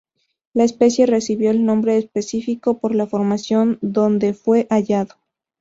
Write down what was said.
La especie recibió el nombre específico por la formación don de fue hallado.